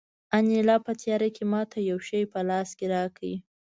انیلا په تیاره کې ماته یو شی په لاس کې راکړ